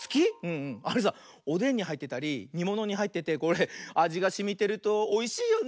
あれさおでんにはいってたりにものにはいっててこれあじがしみてるとおいしいよね。